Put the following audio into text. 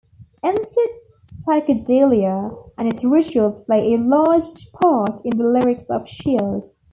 Instead psychedelia and its rituals play a large part in the lyrics of "Shield".